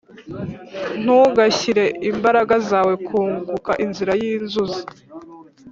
ntugashyire imbaraga zawe 'kunguka inzira yinzuzi